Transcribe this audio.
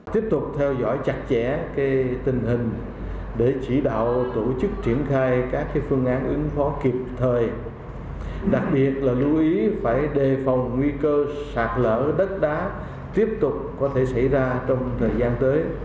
tiếp tục theo dõi chặt chẽ tình hình để chỉ đạo tổ chức triển khai các phương án ứng phó kịp thời đặc biệt là lưu ý phải đề phòng nguy cơ sạt lở đất đá tiếp tục có thể xảy ra trong thời gian tới